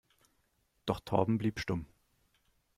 Doch Torben blieb stumm.